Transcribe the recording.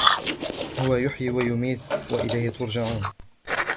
هو يحيي ويميت وإليه ترجعون